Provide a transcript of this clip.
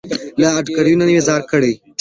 له ادکړکۍ نه مي ځار کړى